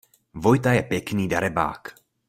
Vojta je pěkný darebák.